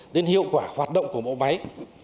đến hiệu quả hoạt động của bộ máy